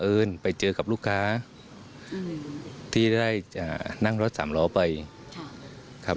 เอิญไปเจอกับลูกค้าที่ได้จะนั่งรถสามล้อไปครับ